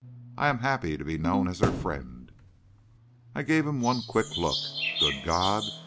I am happy to be known as her friend." I gave him one quick look. Good God!